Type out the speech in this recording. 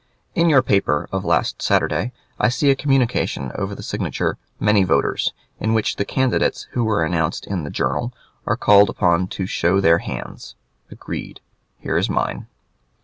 In your paper of last Saturday I see a communication over the signature "Many Voters" in which the candidates who are announced in the "Journal" are called upon to "show their hands." Agreed. Here's mine.